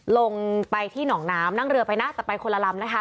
ลงไปที่หนองน้ำนั่งเรือไปนะแต่ไปคนละลำนะคะ